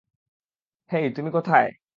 হেই, তুমি কোথায়?